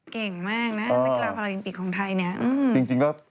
เก่งมากนะกีฬาพาราลิมปิกของไทย